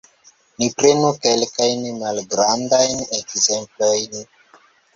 Ni prenu kelkajn malgrandajn ekzemplojn.